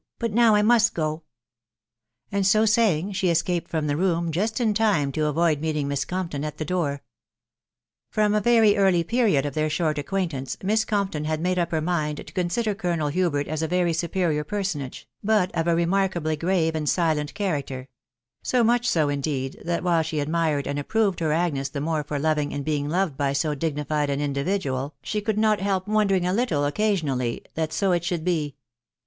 but now I must go ;" and so saying she escaped from the room just in time to avoid meeting Miss Compton at the door. From a very early period of their short acquaintance, Miss Compton had made up her mind to consider Colonel Hubert as a very superior personage, but of a remarkably grave and silent character; so much so, indeed, that while she admired and approved her Agnes the more for loving and being loved by so dignified an individual, she could not help wondering a little occasionally that so it should be.